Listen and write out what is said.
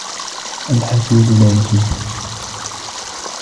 الْحَسُودُ لَا يَسُودُ